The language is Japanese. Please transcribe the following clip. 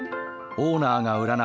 オーナーが占う